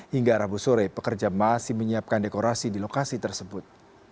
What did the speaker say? hingga rabu sore pekerja masih menyiapkan dekorasi di lokasi tersebut